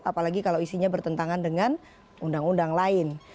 apalagi kalau isinya bertentangan dengan undang undang lain